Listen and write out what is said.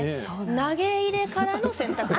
投げ入れからの洗濯。